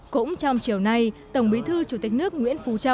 cũng trong chiều nay tổng bí thư chủ tịch nước nguyễn phúc nguyễn